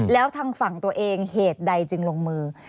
แล้วทางฝั่งตัวเองเหตุใดจึงลงมือ